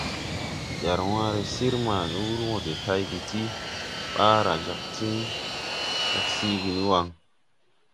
Jar wããre sir ma ni wur wɔ de tayge tii ɓaara jāg siigi ni waŋ.